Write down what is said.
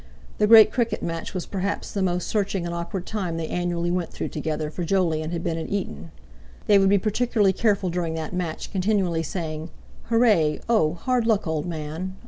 The great cricket match was perhaps the most searching and awkward time they annually went through together, for Jolyon had been at Eton. They would be particularly careful during that match, continually saying: "Hooray! Oh! hard luck, old man!"